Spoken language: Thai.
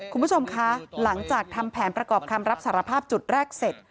คุณผู้ชมคะหลังจากทำแผนประกอบคำรับสารภาพจุดแรกเสร็จ